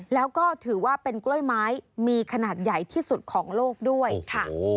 แล้วก็ถือว่าเป็นกล้วยไม้มีขนาดใหญ่ที่สุดของโลกด้วยค่ะ